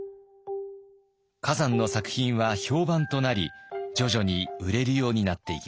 崋山の作品は評判となり徐々に売れるようになっていきます。